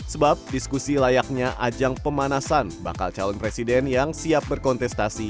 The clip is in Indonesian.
sebab diskusi layaknya ajang pemanasan bakal calon presiden yang siap berkontestasi